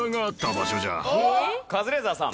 カズレーザーさん。